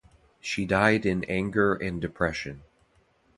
She died in anger and depression.